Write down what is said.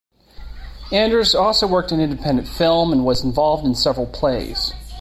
Anders also worked in independent film, and was involved in several plays.